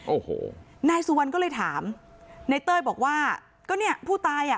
โอ้โหนายสุวรรณก็เลยถามนายเต้ยบอกว่าก็เนี่ยผู้ตายอ่ะ